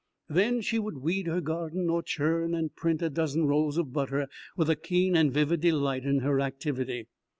Then she would weed her garden or churn and print a dozen rolls of butter with a keen and vivid delight in her activity.